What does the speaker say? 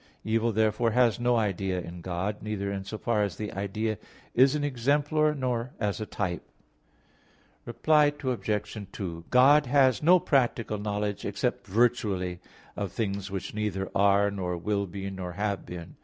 Evil, therefore, has no idea in God, neither in so far as an idea is an "exemplar" nor as a "type." Reply Obj. 2: God has no practical knowledge, except virtually, of things which neither are, nor will be, nor have been.